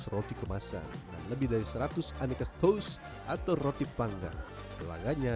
seribu lima ratus roti kemasan lebih dari seratus aneka toast atau roti panggang pelaganya